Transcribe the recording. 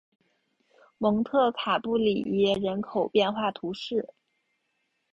蒙特卡布里耶人口变化图示